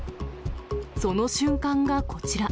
その瞬間がこちら。